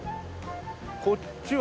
こっちは？